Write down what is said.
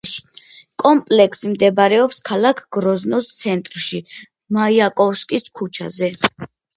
კომპლექსი მდებარეობს ქალაქ გროზნოს ცენტრში, მაიაკოვსკის ქუჩაზე.